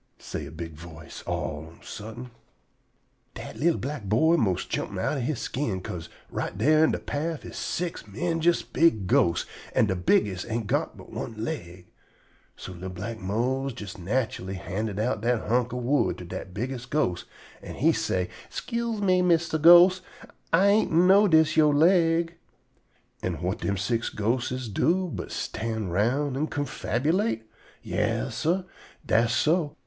_" say a big voice all on a suddent. Dat li'l black boy 'most jump outen he skin, 'ca'se right dar in de paff is six 'mendjus big ghosts, an' de bigges' ain't got but one leg. So li'l black Mose jes natchully handed dat hunk of wood to dat bigges' ghost, an' he say: "'Scuse me, Mistah Ghost; Ah ain't know dis your leg." An' whut dem six ghostes do but stand round an' confabulate? Yas, sah, dass so.